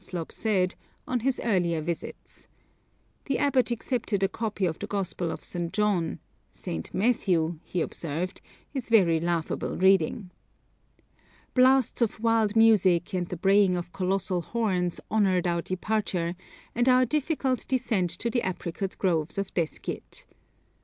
said, on his earlier visits. The abbot accepted a copy of the Gospel of St. John. 'St. Matthew,' he observed, 'is very laughable reading.' Blasts of wild music and the braying of colossal horns honoured our departure, and our difficult descent to the apricot groves of Deskyid.